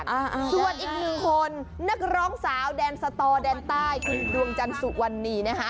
อ่าส่วนอีกหนึ่งคนนักร้องสาวแดนสตอแดนใต้คุณดวงจันทร์สุวรรณีนะคะ